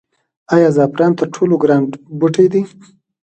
آیا زعفران تر ټولو ګران بوټی دی؟